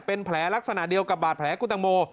เป็นแผลลักษณะเดียวกับบาดแผลคุณตังโม